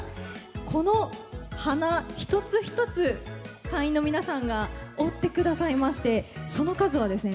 この花一つ一つ会員の皆さんが折ってくださいましてその数はですね